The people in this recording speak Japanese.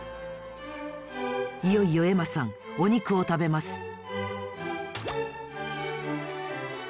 いよいよエマさんおにくを食べます。